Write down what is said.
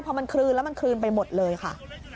พอมันคลืนแล้วมันคลืนไปหมดเลยค่ะ